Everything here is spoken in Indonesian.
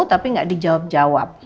tapi gak dijawab jawab